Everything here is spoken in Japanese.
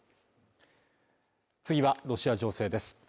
次は、ロシア情勢です。